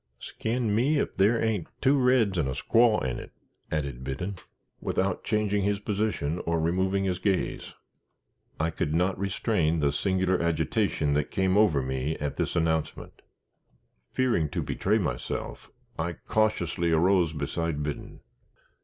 "Skin me, if there ain't two reds and a squaw in it," added Biddon, without changing his position, or removing his gaze. I could not restrain the singular agitation that came over me at this announcement. Fearing to betray myself, I cautiously arose beside Biddon.